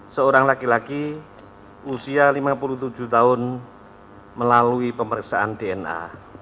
seorang laki laki usia lima puluh tujuh tahun melalui pemeriksaan dna